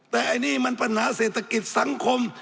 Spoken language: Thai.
แต่ไอ้นี่มันปัญหาเศรษฐกิจสังคม